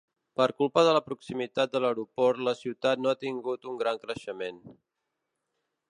Per culpa de la proximitat de l'aeroport la ciutat no ha tingut un gran creixement.